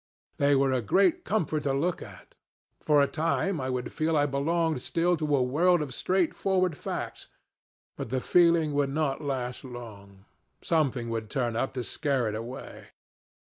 They were a great comfort to look at. For a time I would feel I belonged still to a world of straightforward facts; but the feeling would not last long. Something would turn up to scare it away.